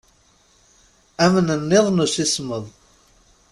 Amnenniḍ n usismeḍ.